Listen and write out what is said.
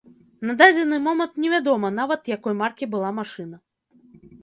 На дадзены момант невядома нават, якой маркі была машына.